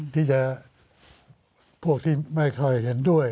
ที่จะพวกที่ไม่ค่อยเห็นด้วย